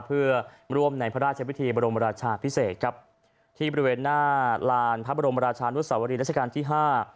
เพื่อร่วมในพระราชพิธีบรมราชาพิเศษครับที่บริเวณหน้าลานพระบรมราชานุสวรีรัชกาลที่ห้า